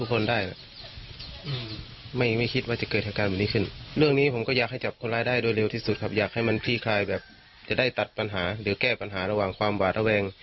เป็นที่คลายแบบจะได้ตัดปัญหาหรือแก้ปัญหาระหว่างความบาระแวง